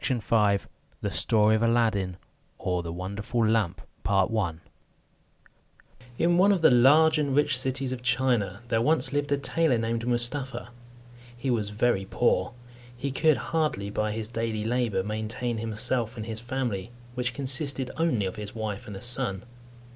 CHAPTER V THE STORY OF ALADDIN; OR, THE WONDERFUL LAMP In one of the large and rich cities of China, there once lived a tailor named Mustapha. He was very poor. He could hardly, by his daily labour, maintain himself and his family, which consisted only of his wife and a son.